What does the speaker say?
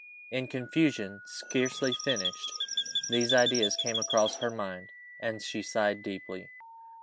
In confusion, scarcely finished, these ideas came across her mind, and she sighed deeply.